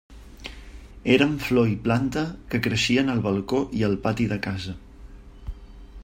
Eren flor i planta que creixien al balcó i al pati de casa.